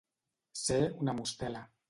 Ser una mostela.